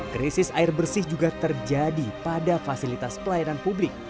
krisis air bersih juga terjadi pada fasilitas pelayanan publik